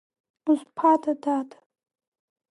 Узԥада, дад?